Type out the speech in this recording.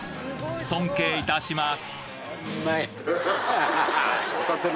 尊敬いたします・